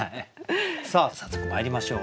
さあ早速まいりましょう。